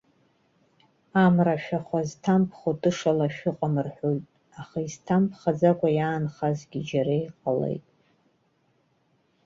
Амра ашәахәа зҭамԥхо тыша лашәы ыҟам, рҳәоит, аха изҭамԥхаӡакәа иаанхазгьы џьара иҟалеит.